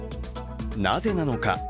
なぜなのか。